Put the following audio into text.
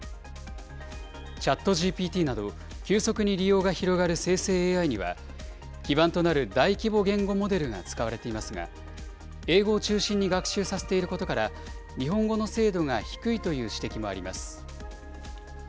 ＣｈａｔＧＰＴなど、急速に利用が広がる生成ＡＩには、基盤となる大規模言語モデルが使われていますが、英語を中心に学習させていることから、日本語の精度が低いという指摘もあります。